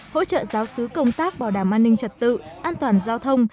hỗ trợ giáo sứ công tác bảo đảm an ninh trật tự an toàn giao thông